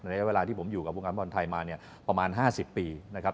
ระยะเวลาที่ผมอยู่กับวงการบอลไทยมาเนี่ยประมาณ๕๐ปีนะครับ